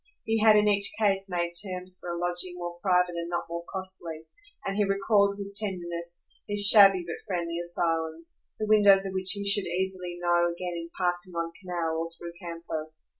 He had in each case made terms for a lodging more private and not more costly, and he recalled with tenderness these shabby but friendly asylums, the windows of which he should easily know again in passing on canal or through campo.